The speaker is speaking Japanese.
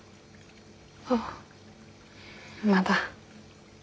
ああまだ。